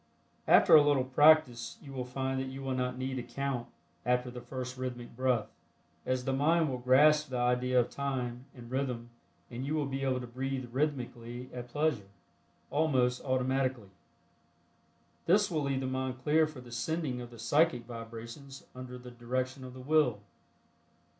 After a little practice you will find that you will not need to count after the first rhythmic breath, as the mind will grasp the idea of time and rhythm and you will be able to breathe rhythmically at pleasure, almost automatically. This will leave the mind clear for the sending of the psychic vibrations under the direction of the Will.